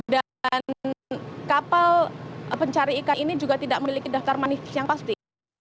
dan kapal pencari ikan ini juga tidak memiliki daftar manis yang pasti